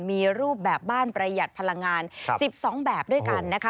มีรูปแบบบ้านประหยัดพลังงาน๑๒แบบด้วยกันนะคะ